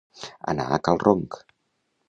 Anar a cal Ronc.